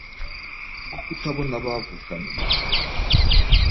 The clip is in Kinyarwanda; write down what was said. bwo kutabona bavukanye